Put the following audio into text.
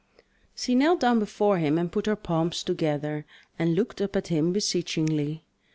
She knelt down before him and put her palms together, and looked up at him beseechingly.